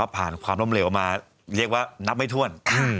ความล้มเหลวมาเรียกว่านับไม่ถ้วน